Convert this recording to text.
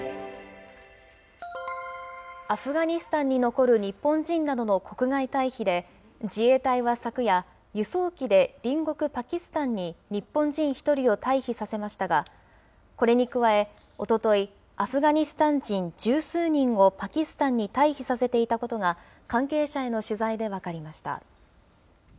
アフガニスタンに残る日本人などの国外退避で、自衛隊は昨夜、輸送機で隣国パキスタンに日本人１人を退避させましたが、これに加え、おととい、アフガニスタン人十数人をパキスタンに退避させていたことが、関係者への取材で分かりました。